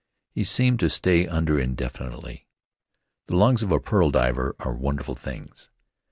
He seemed to stay under indefinitely — the lungs of a pearl diver are wonderful things